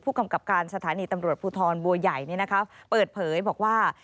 กำกับการสถานีตำรวจภูทรบัวใหญ่เปิดเผยบอกว่า